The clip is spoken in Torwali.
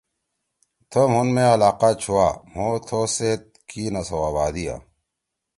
تھو مُھون مے علاقہ چھوا۔ مھو تھو سیت کی نہ سوا بھادیا۔